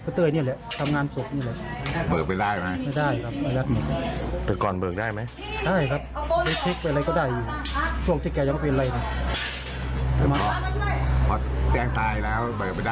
พี่น้องทุกคนนั่นแหละหยุดไปแล้ว